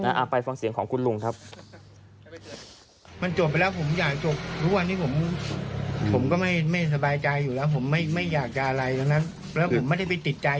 เอาไปฟังเสียงของคุณลุงครับ